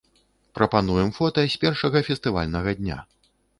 Прапануем фота з першага фестывальнага дня.